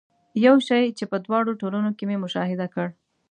یو شی چې په دواړو ټولنو کې مې مشاهده کړ.